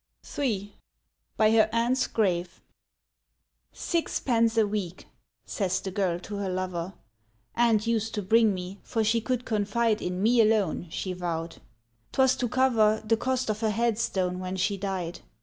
III BY HER AUNT'S GRAVE "SIXPENCE a week," says the girl to her lover, "Aunt used to bring me, for she could confide In me alone, she vowed. 'Twas to cover The cost of her headstone when she died.